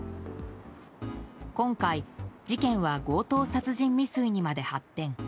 今回、事件は強盗殺人未遂にまで発展。